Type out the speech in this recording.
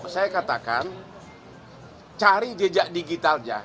saya katakan cari jejak digitalnya